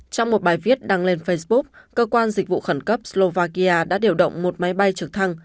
trong một bài viết đăng lên facebook cơ quan dịch vụ khẩn cấp slovakia đã điều động một máy bay trực thăng